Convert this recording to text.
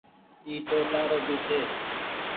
اي تو تآرو ڀي ڇي۔